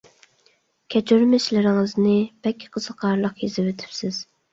كەچۈرمىشلىرىڭىزنى بەك قىزىقارلىق يېزىۋېتىپسىز.